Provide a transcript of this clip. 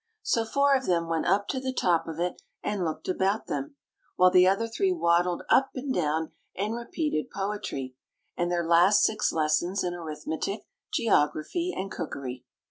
So four of them went up to the top of it, and looked about them; while the other three waddled up and down, and repeated poetry, and their last six lessons in arithmetic, geography, and cookery.